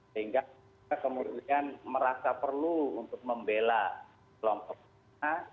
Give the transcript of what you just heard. sehingga kemudian merasa perlu untuk membela kelompok kita